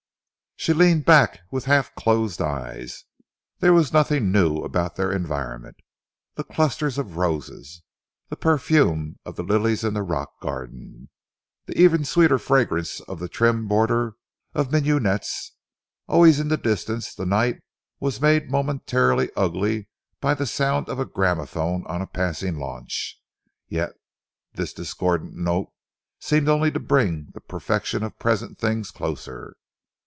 She leaned back with half closed eyes. There was nothing new about their environment the clusters of roses, the perfume of the lilies in the rock garden, the even sweeter fragrance of the trim border of mignonette. Away in the distance, the night was made momentarily ugly by the sound of a gramophone on a passing launch, yet this discordant note seemed only to bring the perfection of present things closer.